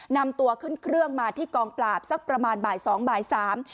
นำตัวขึ้นเครื่องมาที่กองปราบสักประมาณบ่ายสองบ่ายสาม